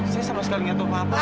saya sama sekali nggak tahu apa apa